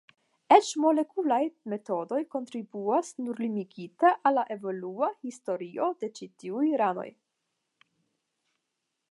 Eĉ molekulaj metodoj kontribuas nur limigite al la evolua historio de ĉi tiuj ranoj.